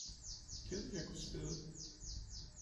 Gid jeg kunne spidde dem